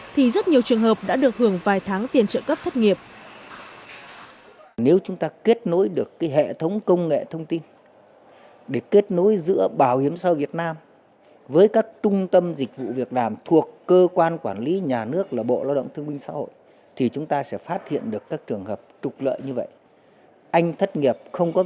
thì rất nhiều trường hợp đã được hưởng vài tháng tiền trợ cấp thất nghiệp